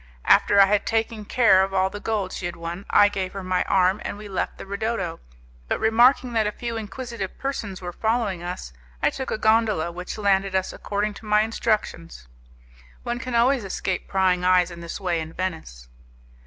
After I had taken care of all the gold she had won, I gave her my arm, and we left the 'ridotto', but remarking that a few inquisitive persons were following us, I took a gondola which landed us according to my instructions. One can always escape prying eyes in this way in Venice.